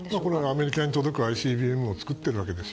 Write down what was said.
アメリカに届くＩＣＢＭを作っているわけです。